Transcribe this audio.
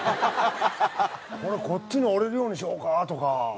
これ、こっちの折れるようにしようか？とか。